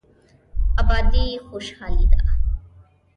ابادي خوشحالي ده.